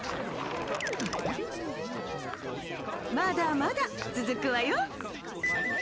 まだまだつづくわよ。